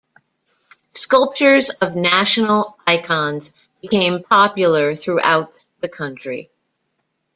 Sculptures of national icons became popular throughout the country.